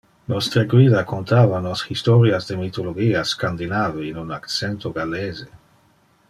Nostre guida contava nos historias de mythologia scandinave in un accento gallese.